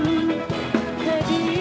sakitnya ku disini